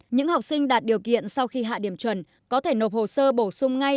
những học sinh đạt điều kiện sau khi hạ điểm chuẩn có thể nộp hồ sơ bổ sung ngay